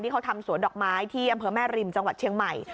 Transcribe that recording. เขาทำสวนดอกไม้ที่อำเภอแม่ริมจังหวัดเชียงใหม่